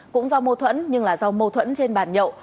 cũng do mô thuẫn nhưng là do mô thuẫn trên bàn nhậu